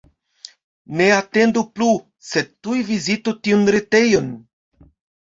Ne atendu plu, sed tuj vizitu tiun retejon!